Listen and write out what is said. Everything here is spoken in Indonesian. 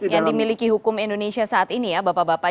yang dimiliki hukum indonesia saat ini ya bapak bapak